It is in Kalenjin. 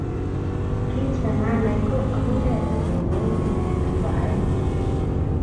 Kiit ne maanai ko umunee si kikoi inne namba oeng